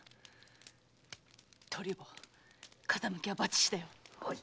唐竜坊風向きはバッチリだよ。